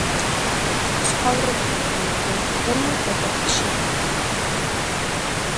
ცხოვრობდნენ გვიანდელ პერმულ ეპოქაში.